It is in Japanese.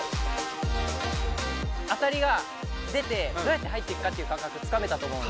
アタリが出てどうやって入っていくかっていう感覚がつかめたと思うんで。